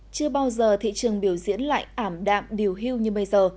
chưa bao giờ thị trường biểu diễn lại ảm đạm điều hưu như bây giờ